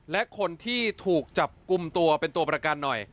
และคนที่ถูกจับกลุ่มตัวเป็นตัวประกันหน่อย